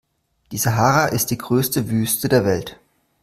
Die Sahara ist die größte Wüste der Welt.